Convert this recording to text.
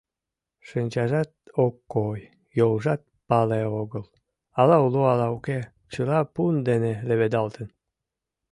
Шинчажат ок кой, йолжат пале огыл, ала уло, ала уке — чыла пун дене леведалтын.